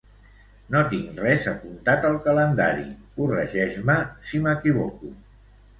No tinc res apuntat al calendari, corregeix-me si m'equivoco.